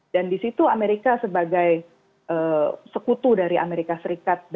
dan di situ amerika sebagai sekutu dari amerika serikat